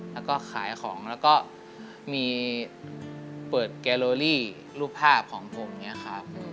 แล้วก็ขายของแล้วก็มีเปิดแกโลลี่รูปภาพของผมอย่างนี้ครับ